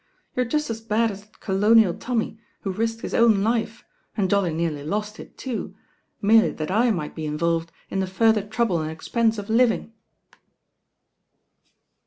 You're just at bad 6f THE^AIN OIBL as that colonial Tommy, who risked his own life, and jolly nearly lost it too, merely that I might be involved Ia the finthef: trotd)le and expense of living."